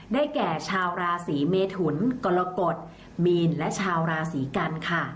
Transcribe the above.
แก่ชาวราศีเมทุนกรกฎมีนและชาวราศีกันค่ะ